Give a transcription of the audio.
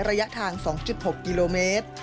ระยะทาง๒๖กิโลเมตร